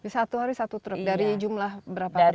satu hari satu truk dari jumlah berapa